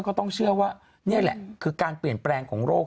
ก็ต้องเชื่อว่านี่แหละคือการเปลี่ยนแปลงของโรค